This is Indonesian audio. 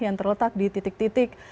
yang terletak di titik titik